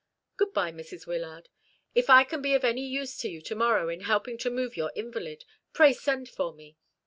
Good bye, Mrs. Wyllard; if I can be of any use to you to morrow in helping to move your invalid, pray send for me.